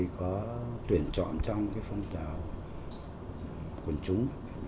có tuyển chọn trong phong trào quân chúng